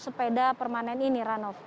sepeda permanen ini ranoff